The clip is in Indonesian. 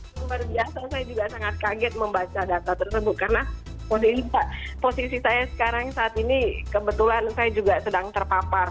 luar biasa saya juga sangat kaget membaca data tersebut karena posisi saya sekarang saat ini kebetulan saya juga sedang terpapar